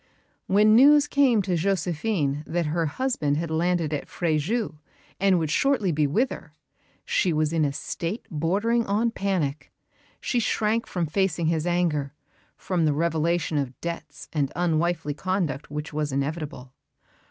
When news came to Josephine that her husband had landed at Fréjus, and would shortly be with her, she was in a state bordering on panic. She shrank from facing his anger; from the revelation of debts and unwifely conduct which was inevitable.